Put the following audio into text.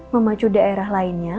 memacu daerah lainnya